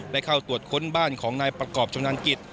ได้เข้าตรวจค้นบ้านของนายประกอบชำนาญกิจ